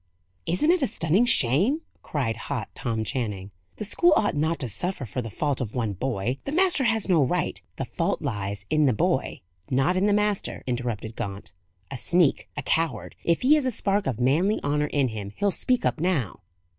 "Isn't it a stunning shame?" cried hot Tom Channing. "The school ought not to suffer for the fault of one boy. The master has no right " "The fault lies in the boy, not in the master," interrupted Gaunt. "A sneak! a coward! If he has a spark of manly honour in him, he'll speak up now."